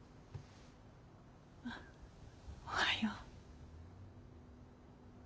あおはよう。